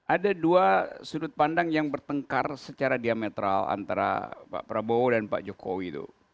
ada dua sudut pandang yang bertengkar secara diametral antara pak prabowo dan pak jokowi itu